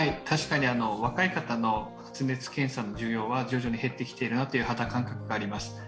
確かに若い方の発熱検査の需要は徐々に減ってきているなという肌感覚があります。